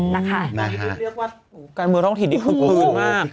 นี่คือเลือกวัดการเมืองท่องถิ่นดีกว่าคืนมาก